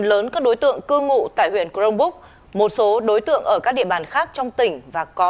lớn các đối tượng cư ngụ tại huyện crong búc một số đối tượng ở các địa bàn khác trong tỉnh và có